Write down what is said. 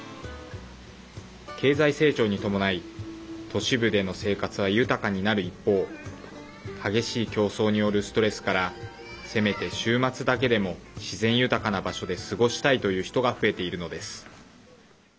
経済成長に伴い都市部での生活は豊かになる一方激しい競争によるストレスからせめて週末だけでも自然豊かな場所で過ごしたいという人が増えているのです。